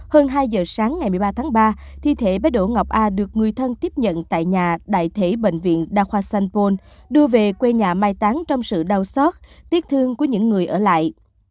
hơn hai giờ sáng ngày một mươi ba tháng ba thi thể bé đỗ ngọc a được người thân tiếp nhận tại nhà đại thể bệnh viện đa khoa sanpon đưa về quê nhà mai táng trong sự đau xót tiết thương của những người ở lại